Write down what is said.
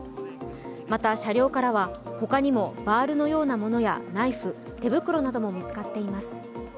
また、車両からは他にもバールのようなものやナイフ、手袋なども見つかっています。